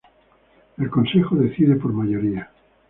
El consejo decide por mayoría.